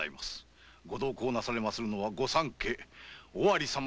ご同行なされまするは御三家尾張様